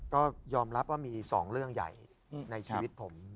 ก็ยอมรับว่ามี๒เรื่องใหญ่ในชีวิตผม